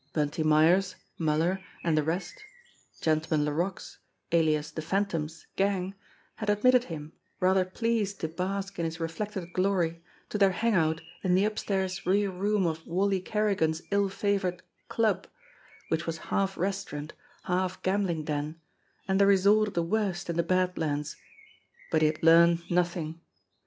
Bunty Myers, Muller and the rest Gentleman Laroque's, alias the Phantom's, gang had admitted him, rather pleased to bask in his reflected glory, to their hang out in the upstairs rear room of Wally Kerrigan's ill favoured "club," which was half restaurant, half gambling den, and the resort of the worst in the Bad Lands, but he had learned nothing.